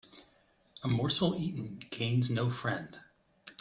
A morsel eaten gains no friend.